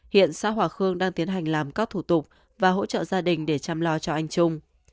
hiện xã hòa khương đang tiến hành làm các thủ tục và hỗ trợ gia đình để chăm lo cho anh trung